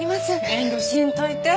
遠慮しんといて。